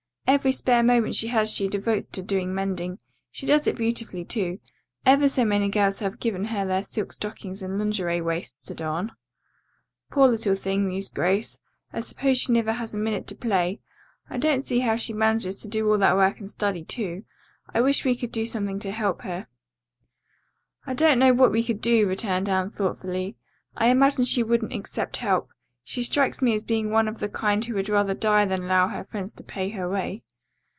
Every spare moment she has she devotes to doing mending. She does it beautifully, too. Ever so many girls have given her their silk stockings and lingerie waists to darn." "Poor little thing," mused Grace. "I suppose she never has a minute to play. I don't see how she manages to do all that work and study, too. I wish we could do something to help her." "I don't know what we could do," returned Anne thoughtfully. "I imagine she wouldn't accept help. She strikes me as being one of the kind who would rather die than allow her friends to pay her way."